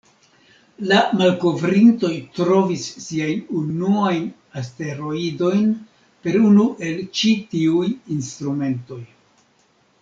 La malkovrintoj trovis siajn unuajn asteroidojn per unu el ĉi-tiuj instrumentoj.